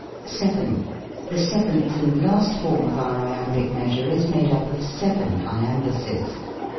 7. The seventh and last form of our Iambic measure is made up of seven Iambuses.